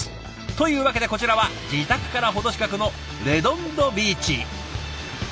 というわけでこちらは自宅からほど近くのレドンドビーチ。